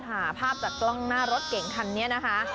ภาพจากกล้องหน้ารถเก่งคันนี้นะคะ